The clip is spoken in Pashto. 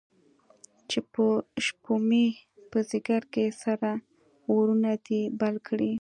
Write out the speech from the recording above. چې په شپومې، په ځیګر کې سره اورونه دي بل کړی